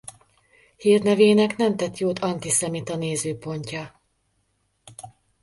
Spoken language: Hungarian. Hírnevének nem tett jót antiszemita nézőpontja.